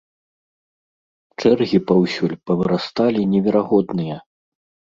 Чэргі паўсюль павырасталі неверагодныя.